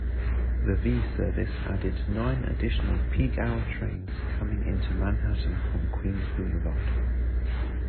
The V service added nine additional peak-hour trains coming into Manhattan from Queens Boulevard.